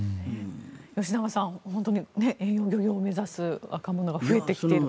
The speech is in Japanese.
吉永さん、遠洋漁業を目指す若者が増えてきていると。